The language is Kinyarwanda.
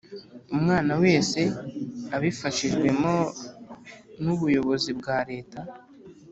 Umwana wese abifashijwemo n ubuyobozi bwa leta